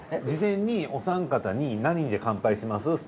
事前にお三方に何で乾杯します？